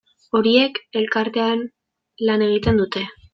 Horiek elkartean lan egiten dute.